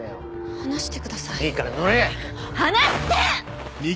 離して！